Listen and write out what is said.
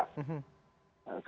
kalau sudah dibungkus